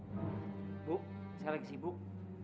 ibu saya lagi sibuk